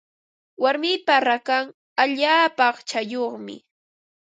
Warmipa rakan allaapa aqchayuqmi.